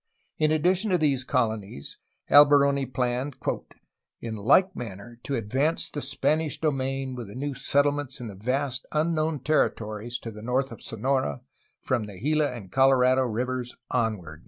In addition to these colonies Alberoni planned "ill like manner to advance the Spanish domain with new set tlements in the vast unknown territories to the north of Sonora from the Gila and Colorado rivers onward."